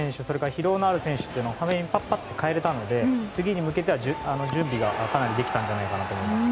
疲労のある選手を早めにパッパッと代えられたので次に向けては準備がかなりできたのではと思います。